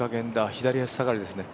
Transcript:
左足下がりですね。